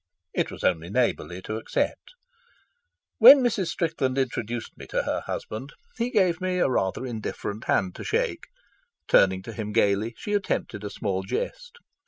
It was only neighbourly to accept. When Mrs. Strickland introduced me to her husband, he gave me a rather indifferent hand to shake. Turning to him gaily, she attempted a small jest.